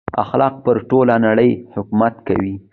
اخلاق پر ټوله نړۍ حکومت کوي.